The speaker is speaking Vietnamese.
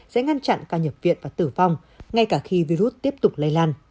sẽ ngăn chặn ca nhập viện và tử vong ngay cả khi virus tiếp tục lây lan